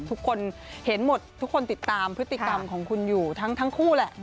ทุกคนเห็นหมดทุกคนติดตามพฤติกรรมของคุณอยู่ทั้งคู่แหละ